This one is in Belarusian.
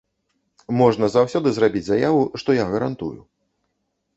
Можна заўсёды зрабіць заяву, што я гарантую.